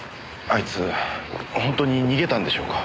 あいつ本当に逃げたんでしょうか？